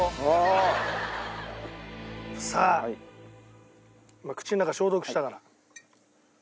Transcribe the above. さあ口の中消毒したから。